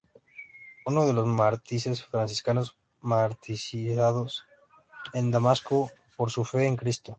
Uno de los mártires franciscanos martirizados en Damasco por su fe en Cristo.